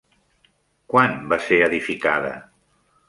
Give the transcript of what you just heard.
Quan va ser edificada?